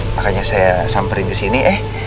makanya saya samperin kesini eh